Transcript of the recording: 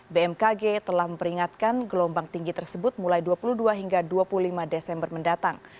bmkg telah memperingatkan gelombang tinggi tersebut mulai dua puluh dua hingga dua puluh lima desember mendatang